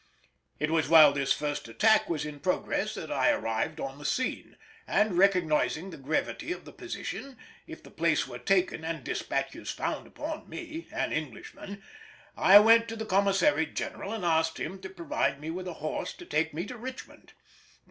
It was while this first attack was in progress that I arrived on the scene, and recognising the gravity of the position, if the place were taken and despatches found upon me (an Englishman), I went to the Commissary General and asked him to provide me with a horse to take me to Richmond.